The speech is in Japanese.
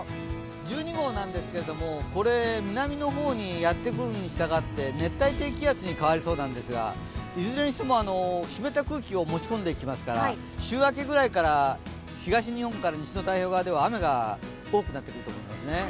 １２号なんですけれども、南の方にやってくるにしたがって熱帯低気圧に変わりそうなんですがいずれにしても湿った空気を持ち込んできますから、週明けぐらいから東日本から西の太平洋側では雨が多くなってくると思いますね。